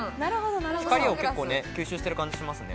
光を吸収している感じがします。